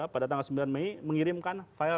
pada tanggal sembilan mei mengirimkan file